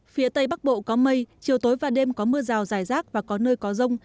phía tây bắc bộ có mây chiều tối và đêm có mưa rào dài rác và có nơi có rông